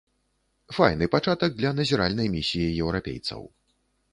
Файны пачатак для назіральнай місіі еўрапейцаў.